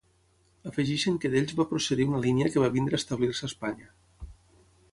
Afegeixen que d'ells va procedir una línia que va venir a establir-se a Espanya.